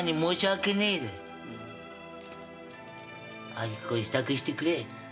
早く支度してくれ。